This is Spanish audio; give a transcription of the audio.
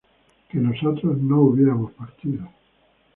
que nosotros no hubiéramos partido